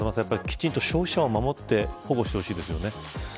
きちんと消費者を守って保護してほしいですね。